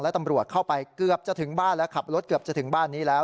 ตำรวจเข้าไปเกือบจะถึงบ้านแล้วขับรถเกือบจะถึงบ้านนี้แล้ว